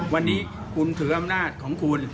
วันนี้คุณถืออำนาจของคุณ